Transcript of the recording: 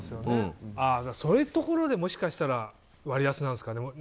そういうところでもしかしたら割安なんですかね。